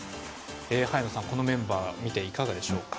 早野さん、このメンバーを見ていかがでしょうか？